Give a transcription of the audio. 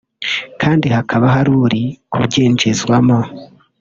kandi hakaba hari uri kubyinjizwamo